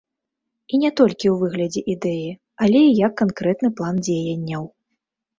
І не толькі ў выглядзе ідэі, але і як канкрэтны план дзеянняў.